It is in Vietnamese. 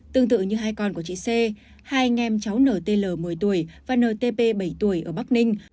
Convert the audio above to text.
tương tự như hai con của chị c hai anh em cháu nt một mươi tuổi và ntp bảy tuổi ở bắc ninh